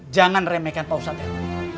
jangan remehkan pak ustadz ya